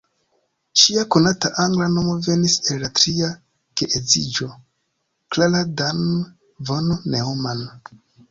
Ŝia konata angla nomo venis el la tria geedziĝo: "Klara Dan von Neumann".